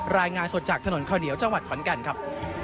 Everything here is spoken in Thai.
รายงานสดจากถนนข้าวเหนียวจังหวัดขอนแก่นครับ